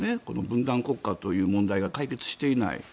この分断国家という問題が解決していない。